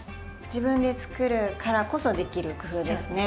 自分で作るからこそできる工夫ですね。